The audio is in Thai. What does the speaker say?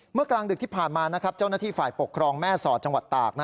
กลางดึกที่ผ่านมาเจ้าหน้าที่ฝ่ายปกครองแม่สอดจังหวัดตาก